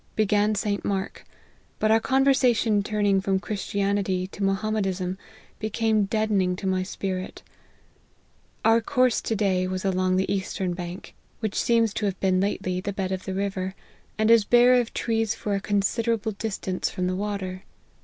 Began St. Mark ; but our conversation turning from Christian ity to Mohammedism, became deadening to my spirit. Our course to day was along the eastern bank, which seems to have been lately the bed of 76 XJFE OF HENRY MARTY X. the river, and is bare of trees for a considerable distance from the water.